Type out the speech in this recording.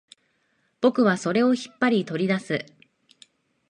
僕はそれを引っ張り、取り出す